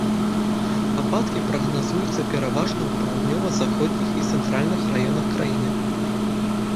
Ападкі прагназуюцца пераважна ў паўднёва-заходніх і цэнтральных раёнах краіны.